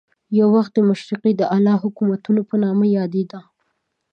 یو وخت د مشرقي د اعلی حکومت په نامه یادېده.